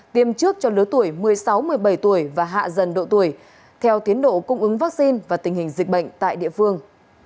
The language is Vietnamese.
tiêm trước cho lứa tuổi một mươi sáu một mươi bảy tuổi và hạ dần độ tuổi theo tiến độ cung ứng vaccine và tình hình dịch bệnh tại địa phương